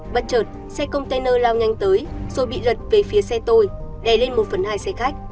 bất chợt xe container lao nhanh tới rồi bị lật về phía xe tôi đè lên một phần hai xe khách